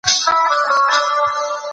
که انلاین درس وي نو پرمختګ نه دریږي.